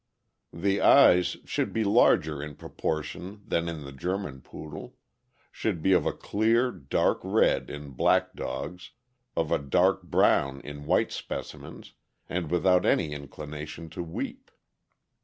The eyes should be larger in proportion than in the German Poodle; should be of a clear dark red in black dogs, of a dark brown in white specimens, and without any inclination to weep.